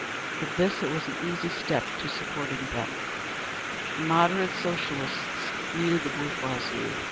From this it was an easy step to supporting them. The "moderate" Socialists needed the bourgeoisie.